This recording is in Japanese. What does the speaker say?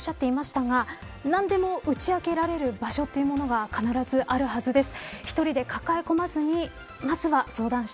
大空さんもおっしゃっていましたが何でも打ち明けられる場所というのが必ずあるはずです。